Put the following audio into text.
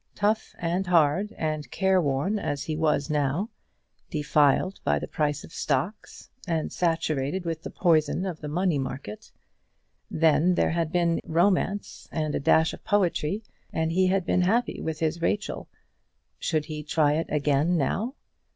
Tough and hard, and careworn as he was now, defiled by the price of stocks, and saturated with the poison of the money market, then there had been in him a touch of romance and a dash of poetry, and he had been happy with his Rachel. Should he try it again now?